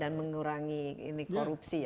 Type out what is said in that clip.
dan mengurangi ini korupsi